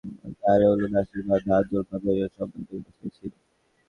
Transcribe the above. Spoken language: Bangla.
বিয়ের জন্য ছায়ামণ্ডপ, পুষ্পমাল্য, গায়েহলুদ, আশীর্বাদ, ধান-দূর্বা, ভোজন—সব ধরনের ব্যবস্থাই ছিল।